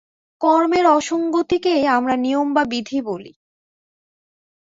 কর্মের সঙ্গতিকেই আমরা নিয়ম বা বিধি বলি।